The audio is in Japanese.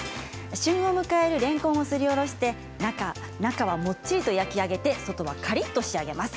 旬を迎えるれんこんをすりおろして中はもっちりと焼き上げて外はカリっと仕上げます。